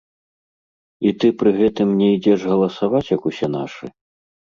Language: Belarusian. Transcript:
І ты пры гэтым не ідзеш галасаваць як усе нашы?